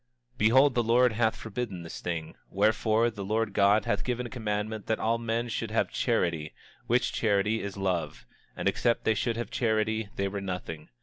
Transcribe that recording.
26:30 Behold, the Lord hath forbidden this thing; wherefore, the Lord God hath given a commandment that all men should have charity, which charity is love, and except they should have charity they were nothing.